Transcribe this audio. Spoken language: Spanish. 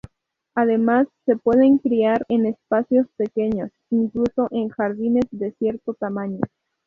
Además, se pueden criar en espacios muy pequeños, incluso en jardines de cierto tamaño.